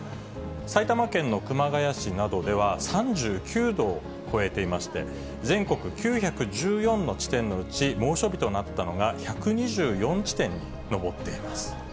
埼玉県の熊谷市などでは、３９度を超えていまして、全国９１４の地点のうち、猛暑日となったのが１２４地点に上っています。